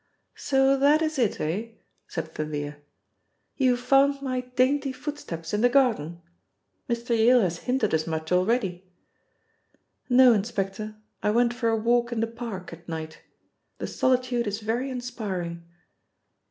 "So that is it, eh?" said Thalia. "You found my dainty footsteps in the garden? Mr. Yale has hinted as much already. No, inspector, I went for a walk in the park at night. The solitude is very inspiring."